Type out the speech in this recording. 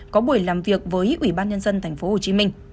có buổi làm việc với ủy ban nhân dân tp hcm